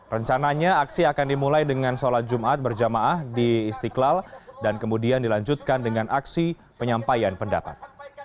rencananya aksi akan dimulai dengan sholat jumat berjamaah di istiqlal dan kemudian dilanjutkan dengan aksi penyampaian pendapat